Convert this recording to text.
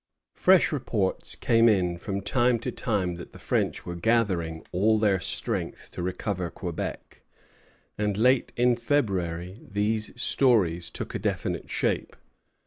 Fresh reports came in from time to time that the French were gathering all their strength to recover Quebec; and late in February these stories took a definite shape.